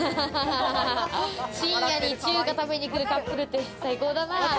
深夜に中華食べに来るカップルって最高だな。